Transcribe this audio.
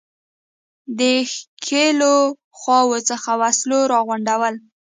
د ښکېلو خواوو څخه وسلو را غونډول.